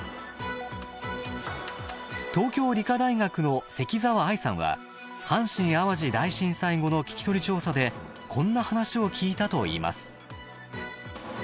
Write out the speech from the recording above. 東京理科大学の関澤愛さんは阪神・淡路大震災後の聞き取り調査でこんな話を聞いたといいます。